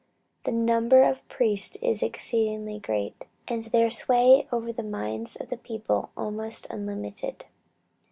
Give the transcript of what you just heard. The number of priests is exceedingly great, and their sway over the minds of the people almost unlimited.